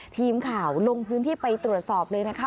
ทีมข่าวลงพื้นที่ไปตรวจสอบเลยนะคะ